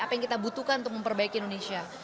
apa yang kita butuhkan untuk memperbaiki indonesia